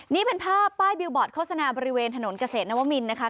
นี่เป็นภาพป้ายบิลบอร์ดโฆษณาบริเวณถนนเกษตรนวมินนะคะ